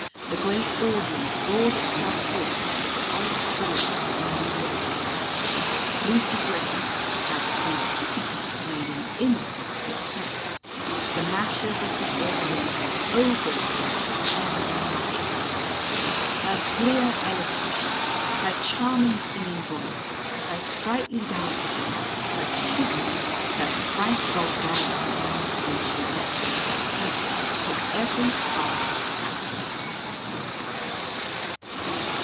The great audience roared itself hoarse over old choruses with new words. Lucy Gray, as Prince Prettypet, made an instant success. The mashers of the Oriental ogled her in silent flattery. Her clear elocution, her charming singing voice, her sprightly dancing, her chic, her frank vulgarity, when she "let herself go," took every heart captive.